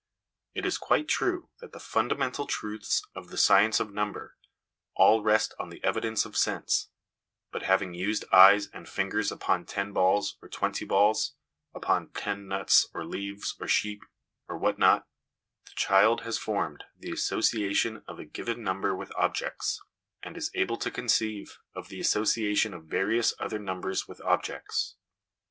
It is quite true that the fundamental truths of the science of number all rest on the evidence of sense ; but, having used eyes and fingers upon ten balls or twenty balls, upon ten nuts, or leaves, or sheep, or what not, the child has formed the association of a given number with objects, and is able to conceive of the association of various other numbers with objects.